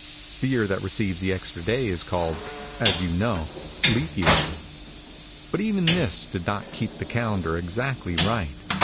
The year that receives the extra day is called, as you know, leap year. But even this did not keep the calendar exactly right.